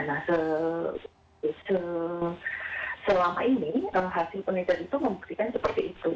nah selama ini hasil penelitian itu membuktikan seperti itu